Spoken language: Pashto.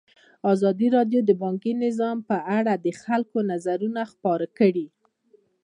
ازادي راډیو د بانکي نظام په اړه د خلکو نظرونه خپاره کړي.